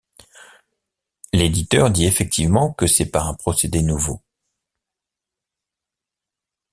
L'éditeur dit effectivement que c'est par un procédé nouveau.